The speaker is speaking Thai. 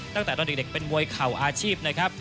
ตั้งแต่ตอนเด็กเป็นมวยเข่าอาชีพนะครับ